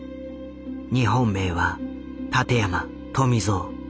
日本名は立山富蔵。